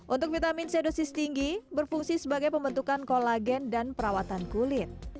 untuk vitamin c dosis tinggi berfungsi sebagai pembentukan kolagen dan perawatan kulit